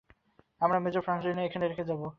আমরা মেজর ফ্র্যাঙ্কলিনকে এখানে রেখে যাবো।